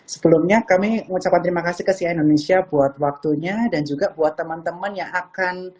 sebelumnya kami mengucapkan terima kasih ke sia indonesia buat waktunya dan juga buat teman teman yang akan